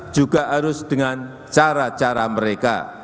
juga harus dengan cara cara mereka